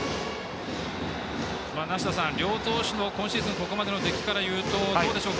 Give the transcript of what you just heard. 梨田さん、両投手の今シーズン、ここまでの出来からいうとどうでしょう。